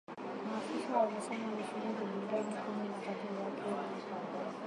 Maafisa walisema ni shilingi bilioni kumi na tatu za Kenya